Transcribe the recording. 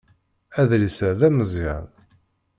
Adlis-a d ameẓẓyan